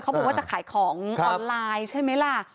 บอกว่าจะขายของออนไลน์ใช่ไหมล่ะ